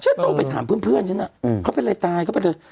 ฉันต้องไปถามเพื่อนฉันน่ะเขาเป็นอะไรตายเขาเป็นอะไร